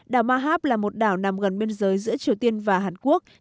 đảo mahab là một đảo nằm gần biên giới giữa triều tiên và hàn quốc